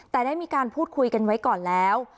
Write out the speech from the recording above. แต่ได้มีการพูดคุยกันไว้ก่อนแล้ว